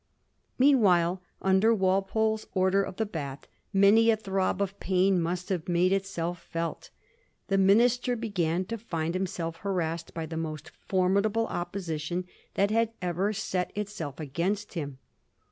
Meanwhile, under Walpole's Order of the Bath, many a throb of pain must have made itself felt. The minister began to find himself harassed by the most formidable opposition that had ever set itself against him.